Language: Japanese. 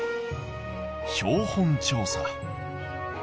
「標本調査」。